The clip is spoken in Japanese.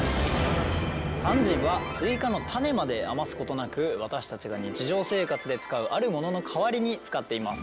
サン人はスイカの種まで余すことなく私たちが日常生活で使うあるものの代わりに使っています。